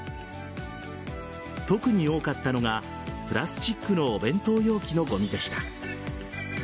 特に多かったのがプラスチックのお弁当容器のごみでした。